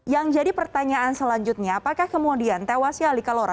yang jadi pertanyaan selanjutnya apakah kemudian tewasnya alikalora